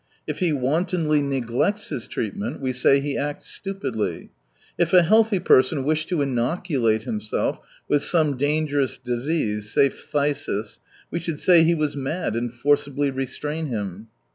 If he wantonly neglects his treatment, we say he acts stupidly. If a healthy person wished to inoculate himself with some dangerous disease — say phthisis— we should say he was mad, and forcibly restrain him.